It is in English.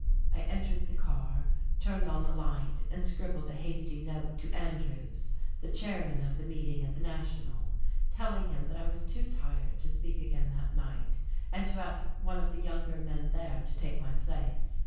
I entered the ear, turned on the light and scribbled a hasty note to Andrews, the chairman of the meeting at the National, telling him that I was too tired to speak again that night, and to ask one of the younger men there to take my place.